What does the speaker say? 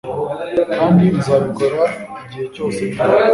kandi izabikora igihe cyose nkiriho